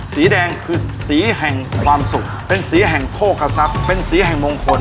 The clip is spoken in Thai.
สีแดงคือสีแห่งความสุขเป็นสีแห่งโภคทรัพย์เป็นสีแห่งมงคล